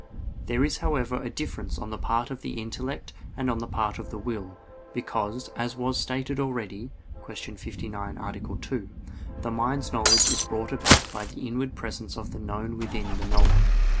There is however a difference on the part of the intellect and on the part of the will. Because, as was stated already (Q. 59, A. 2), the mind's knowledge is brought about by the inward presence of the known within the knower.